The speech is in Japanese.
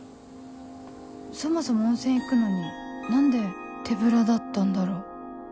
そもそも温泉行くのに何で手ぶらだったんだろう？